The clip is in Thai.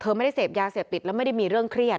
ไม่ได้เสพยาเสพติดแล้วไม่ได้มีเรื่องเครียด